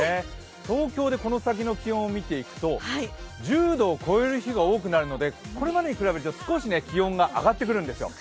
東京でこの先の気温を見ていくと、１０度を超える日が多くなるのでこれまでに比べると少し気温が上がってくるんですよ。